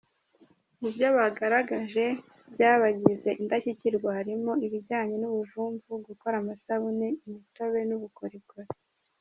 Mu byo bagaragaje byabagize indashyikirwa harimo ibijyanye n’ubuvumvu, gukora amasabune, imitobe n’ubukorikori.